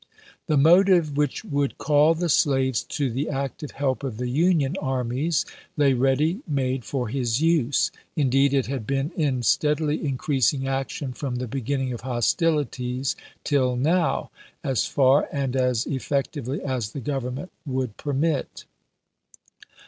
The motive which would call the slaves to the active help of the Union armies lay ready made for his use — indeed, it had been in steadily increasing action from the begin ning of hostilities till now, as far and as effectively as the Government would permit.